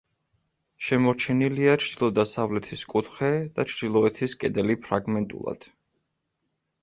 შემორჩენილია ჩრდილო-დასავლეთის კუთხე და ჩრდილოეთის კედელი ფრაგმენტულად.